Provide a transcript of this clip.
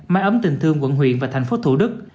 máy ấm tình thương quận huyện và thành phố thủ đức